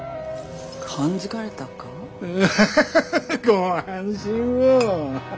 ご安心を。